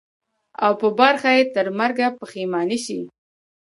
او په برخه یې ترمرګه پښېماني سي